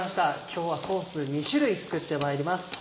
今日はソース２種類作ってまいります。